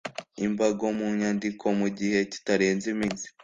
imbago mu nyandiko mu gihe kitarenze iminsi